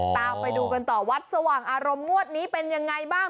ตามไปดูกันต่อวัดสว่างอารมณ์งวดนี้เป็นยังไงบ้าง